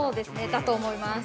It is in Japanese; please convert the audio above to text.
だと思います。